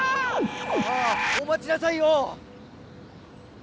ああおまちなさいよ！